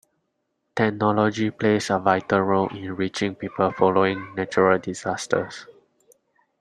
Technology plays a vital role in reaching people following natural disasters.